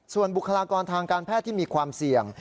ส่วนบุคลากรทางการแพทย์ที่มีความเสี่ยง